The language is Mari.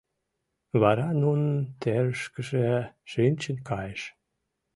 Вара Нунн терышкыже шинчын кайыш.